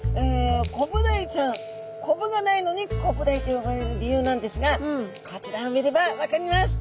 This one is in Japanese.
コブダイちゃんコブがないのにコブダイと呼ばれる理由なんですがこちらを見れば分かります。